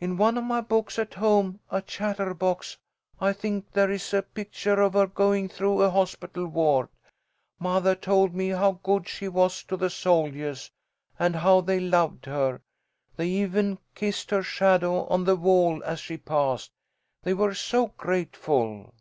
In one of my books at home, a Chatterbox, I think, there is a picture of her going through a hospital ward. Mothah told me how good she was to the soldiahs, and how they loved her. They even kissed her shadow on the wall as she passed. They were so grateful."